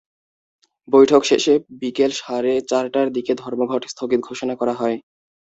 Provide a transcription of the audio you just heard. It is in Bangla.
বৈঠক শেষে বিকেল সাড়ে চারটার দিকে ধর্মঘট স্থগিত ঘোষণা করা হয়।